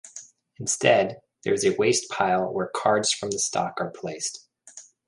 Instead, there is a wastepile where cards from the stock are placed.